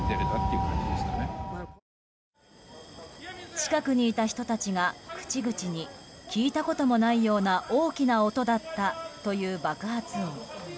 近くにいた人たちが口々に聞いたこともないような大きな音だったという爆発音。